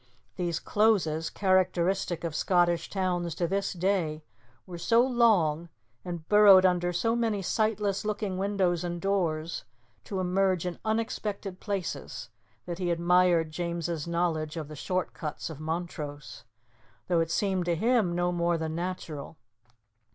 These closes, characteristic of Scottish towns to this day, were so long, and burrowed under so many sightless looking windows and doors, to emerge in unexpected places, that he admired James's knowledge of the short cuts of Montrose, though it seemed to him no more than natural.